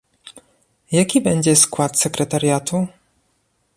Jaki będzie skład sekretariatu?